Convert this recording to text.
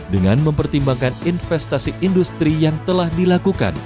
dengan mempertimbangkan investasi industri yang telah dilakukan